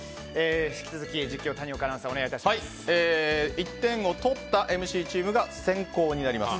１点を取ったＭＣチームが先攻になります。